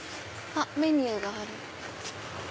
あっメニューがある。